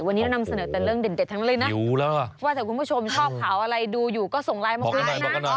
วันนี้เรานำเสนอแต่เรื่องเด็ดทั้งนั้นเลยนะว่าแต่คุณผู้ชมชอบข่าวอะไรดูอยู่ก็ส่งไลน์มาคุยได้นะ